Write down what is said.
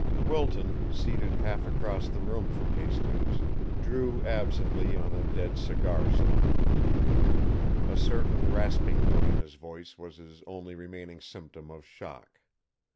Wilton, seated half across the room from Hastings, drew, absently, on a dead cigar stump. A certain rasping note in his voice was his only remaining symptom of shock.